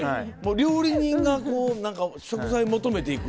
料理人が食材求めて行く。